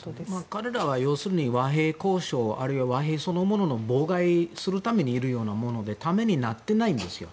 彼らは和平交渉あるいは和平そのものを妨害するためにいるようなものでためになってないんですよ。